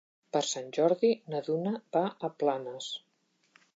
Per Sant Jordi na Duna va a Planes.